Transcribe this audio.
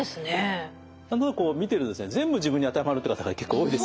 何となくこう見てると全部自分に当てはまるって方が結構多いですよね。